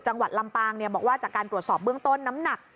จังหวัดลำปางบอกว่าจากการตรวจสอบเบื้องต้นน้ำหนัก